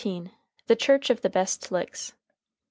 THE CHURCH OF THE BEST LICKS.